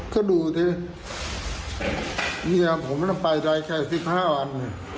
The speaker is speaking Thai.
ก็ดูที่เมียผมก็ไปได้แค่สิบห้าวัน